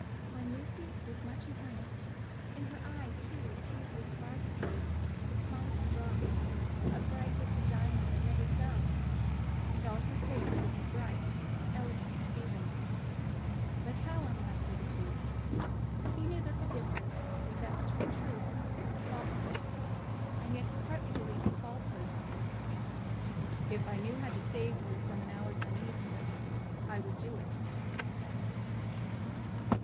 When Lucy was much in earnest, in her eye, too, a tear would sparkle, the smallest drop, a bright liquid diamond that never fell; and all her face would be bright and eloquent with feeling; but how unlike were the two! He knew that the difference was that between truth and falsehood; and yet he partly believed the falsehood! "If I knew how to save you from an hour's uneasiness, I would do it," he said.